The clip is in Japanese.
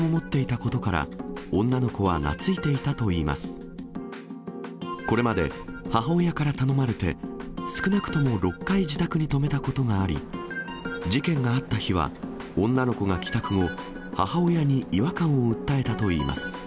これまで、母親から頼まれて少なくとも６回自宅に泊めたことがあり、事件があった日は、女の子が帰宅後、母親に違和感を訴えたといいます。